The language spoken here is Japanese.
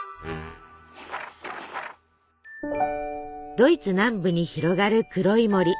ドイツ南部に広がる黒い森。